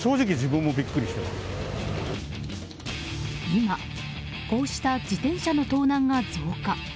今、こうした自転車の盗難が増加。